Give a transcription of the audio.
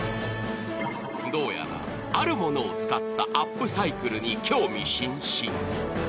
どうやら、あるものを使ったアップサイクルに興味津々。